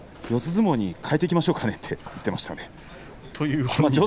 相撲に変えていきましょうかねと言っていましたね。